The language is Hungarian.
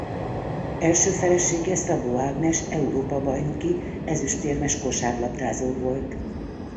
Első felesége Szabó Ágnes Európa-bajnoki ezüstérmes kosárlabdázó volt.